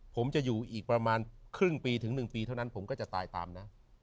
ผมจะอยู่อีกประมาณครึ่งปีถึง๑ปีเท่านั้นผมก็จะตายตามนะ